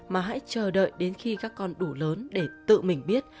mà hãy chờ đợi đến khi các con đủ lớn để tự mình biết